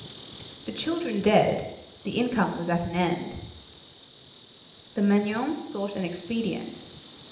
The children dead, the income was at an end. The Magnon sought an expedient.